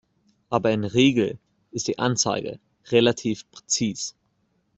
Aber in der Regel ist die Anzeige relativ präzise.